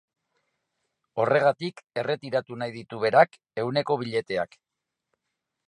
Horregatik erretiratu nahi ditu berak ehuneko billeteak.